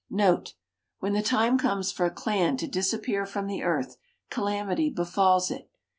Note. When the time comes for a clan to disappear from the earth, calamity befalls it.